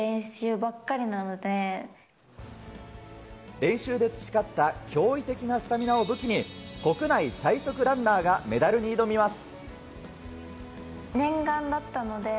練習で培った驚異的なスタミナを武器に国内最速ランナーがメダルに挑みます。